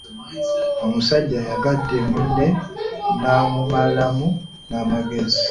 Omusajja ayagadde munne n’amumalamu n’amagezi.